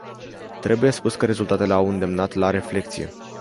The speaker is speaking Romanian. Trebuie spus că rezultatele au îndemnat la reflecție.